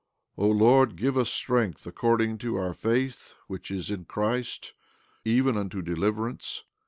O Lord, give us strength according to our faith which is in Christ, even unto deliverance.